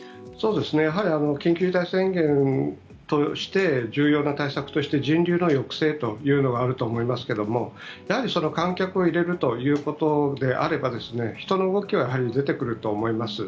緊急事態宣言として重要な対策として人流の抑制というのがあると思いますがやはり、観客を入れるということであれば人の動きはやはり出てくると思います。